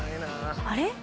あれ？